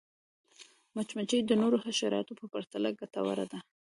مچمچۍ د نورو حشراتو په پرتله ګټوره ده